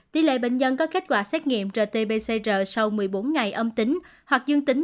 tỷ lệ bệnh nhân có kết quả xét nghiệm rt pcr sau một mươi bốn ngày âm tính hoặc dương tính